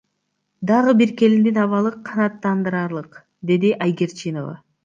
Дагы бир келиндин абалы канаттандыраарлык, — деди Айгерчинова.